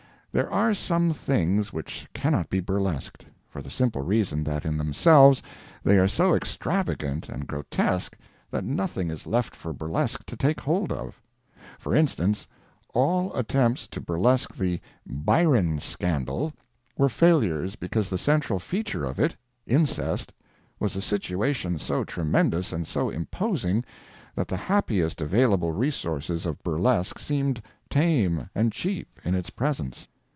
There are some things which cannot be burlesqued, for the simple reason that in themselves they are so extravagant and grotesque that nothing is left for burlesque to take hold of. For instance, all attempts to burlesque the "Byron Scandal" were failures because the central feature of it, incest, was a "situation" so tremendous and so imposing that the happiest available resources of burlesque seemed tame and cheap in its presence.